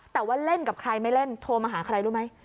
แต่ว่าเล่นกับใครไม่เล่นโทรมาหาใครรู้ไหม